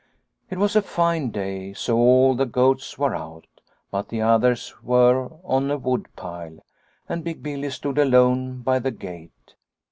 It was a fine day, so all the goats were out. But the others were on a wood pile, and Big Billy stood alone by the gate.